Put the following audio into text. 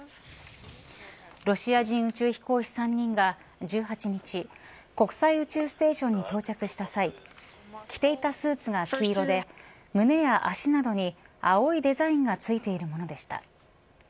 ロシア人宇宙飛行士３人が１８日、国際宇宙ステーションに到着した際着ていたスーツが黄色で胸や足などに青いデザインがついているものでした。